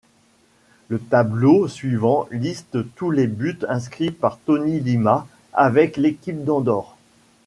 Le tableau suivant liste tous les buts inscrits par Toni Lima avec l'équipe d'Andorre.